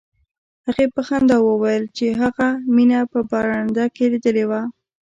هیلې په خندا وویل چې هغه مینه په برنډه کې لیدلې وه